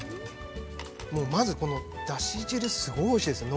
◆まず、このだし汁すごいおいしいですね。